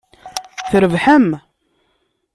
Trebḥem?